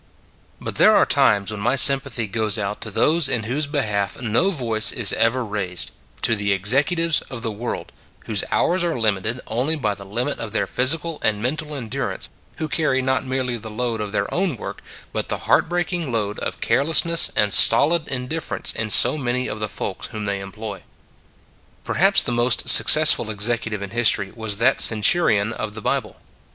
But there are times when my sympathy goes out to those in whose behalf no voice is ever raised to the executives of the world, whose hours are limited only by the limit of their physical and mental endur ance, who carry not merely the load of their own work, but the heartbreaking load of carelessness and stolid indifference 98 It s a Good Old World in so many of the folks whom they employ. Perhaps the most successful executive in history was that centurion of the Bible.